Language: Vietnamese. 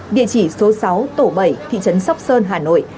địa chỉ số sáu tổ bảy thị trấn sóc sơn hà nội